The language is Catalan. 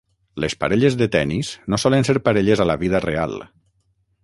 Les parelles de tenis no solen ser parelles a la vida real.